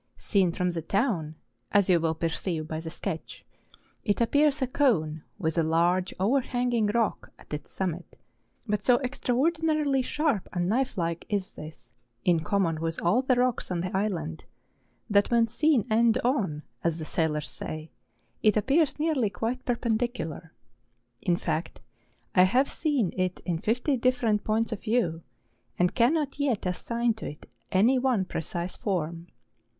Seen from the town (as you will perceive by the sketch) it appears a cone with a large overhanging rock at its summit, but so extra¬ ordinarily sharp and knife like is this, in common with all the rocks on the island, that when seen end on, as the sailors say, it appears nearly quite perpendicular. In fact, I have seen it in fifty dif¬ ferent points of view, and cannot yet assign to it any one precise form.